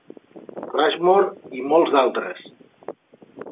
Rushmore, i molts d'altres.